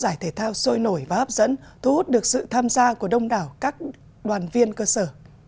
giải thể thao sôi nổi và hấp dẫn thu hút được sự tham gia của đông đảo các đoàn viên cơ sở